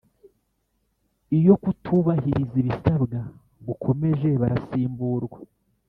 Iyo kutubahiriza ibisabwa gukomeje barasimburwa